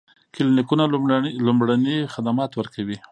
کلینیکونه لومړني خدمات ورکوي